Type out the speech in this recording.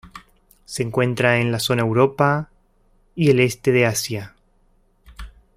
Se encuentra en la zona Europa y el Este de Asia.